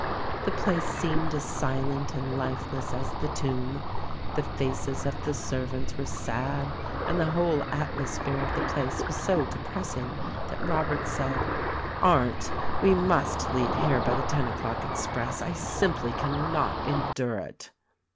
The place seemed as silent and lifeless as the tomb. The faces of the servants were sad, and the whole atmosphere of the place was so depressing that Robert said : "Arndt, we must leave here by the ten o'clock express. I simply cannot endure it."